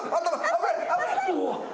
危ない！